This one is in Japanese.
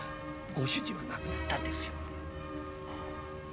ご主人は亡くなったんですよ。